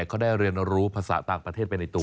เขาได้เรียนรู้ภาษาต่างประเทศไปในตัว